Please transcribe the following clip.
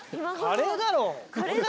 カレーだろ。